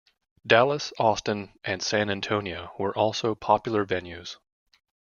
Dallas, Austin, and San Antonio were also popular venues.